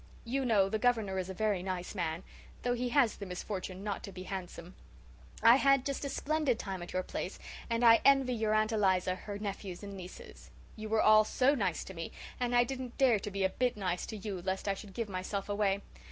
You know the Governor is a very nice man, though he has the misfortune not to be handsome. "I had just a splendid time at your place, and I envy your Aunt Eliza her nephews and nieces. You were all so nice to me, and I didn't dare to be a bit nice to you lest I should give myself away.